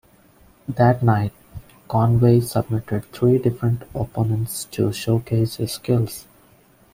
That night, Conway submitted three different opponents to showcase his skills.